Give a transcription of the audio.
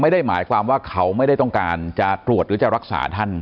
ไม่ได้หมายความว่าเขาไม่ได้ต้องการจะตรวจหรือจะรักษาท่าน